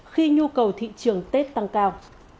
khi nhu cầu thị trường tết tăng cao